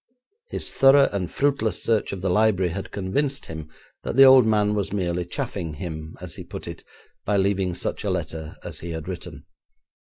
His thorough and fruitless search of the library had convinced him that the old man was merely chaffing him, as he put it, by leaving such a letter as he had written.